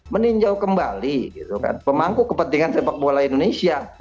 meninjau kembali pemangku kepentingan sepak bola indonesia